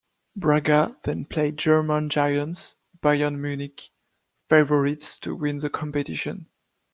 Braga then played German giants Bayern Munich, favourites to win the competition.